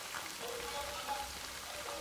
زما له خپل منبره پورته زما د خپل بلال آذان دی !.